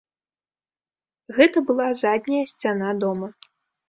Гэта была задняя сцяна дома.